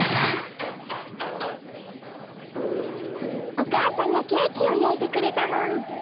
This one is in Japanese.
おかあさんがケーキをやいてくれたの。